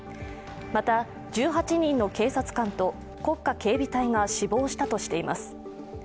また、１８人の警察官と国家警備隊が死亡したとしています。